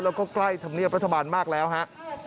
แล้วก็ใกล้ธรรมเนียบรัฐบาลมากแล้วฮะ